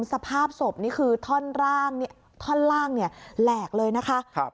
สภาพศพนี่คือท่อนล่างแหลกเลยนะคะ